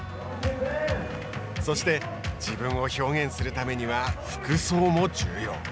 そして、自分を表現するためには服装も重要。